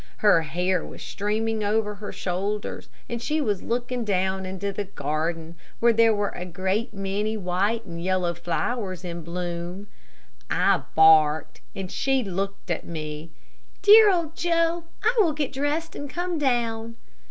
Her hair was streaming over her shoulders, and she was looking down into the garden where there were a great many white and yellow flowers in bloom. I barked, and she looked at me. "Dear old Joe, I will get dressed and come down."